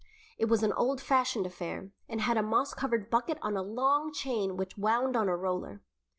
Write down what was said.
It was an old fashioned affair, and had a moss covered bucket on a long chain which wound on a roller.